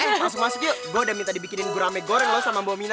eh masuk masuk yuk gua udah minta dibikinin gurame goreng sama bo mina